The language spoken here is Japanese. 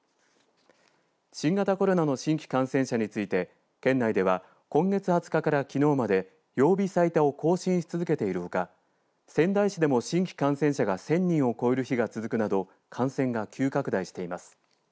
新型コロナの新規感染者について県内では今月２０日からきのうまで曜日最多を更新し続けているほか仙台市でも、新規感染者が１０００人を超える日が続くなど感染が急拡大しています。